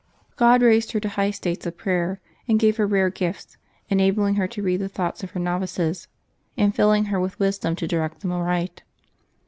God raised her to high states of prayer, and gave her rare gifts, enabling her to read the thoughts of her novices, and filling her with wisdom to direct them aright.